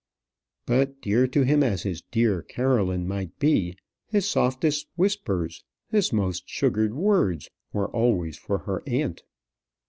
But dear to him as his dear Caroline might be, his softest whispers, his most sugared words, were always for her aunt.